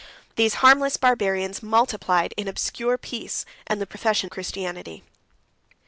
These harmless Barbarians multiplied in obscure peace and the profession of Christianity.